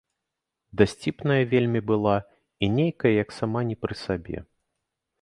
Дасціпная вельмі была і нейкая як сама не пры сабе.